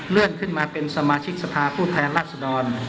เลื่อนขึ้นมาเป็นสมาชิกสภาพผู้แทนราชดร